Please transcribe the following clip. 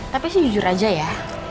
tapi sih jujur aja ya